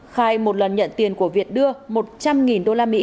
khai một lần nhận tiền của việt đưa một trăm linh usd